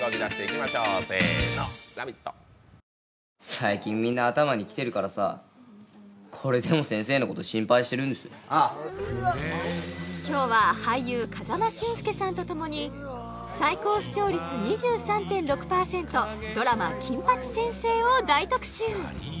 最近みんな頭にきてるからさこれでも先生のこと心配してるんですよ今日は俳優風間俊介さんとともにはい失礼しますあっ金八先生！